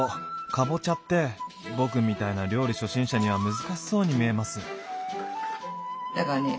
かぼちゃって僕みたいな料理初心者には難しそうに見えます。